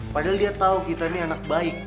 padahal dia tahu kita ini anak baik